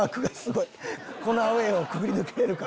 このアウェーをくぐり抜けれるか？